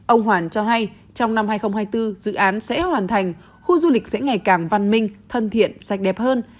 ông hoàn cho hay trong năm hai nghìn hai mươi bốn dự án sẽ hoàn thành khu du lịch sẽ ngày càng văn minh thân thiện sạch đẹp hơn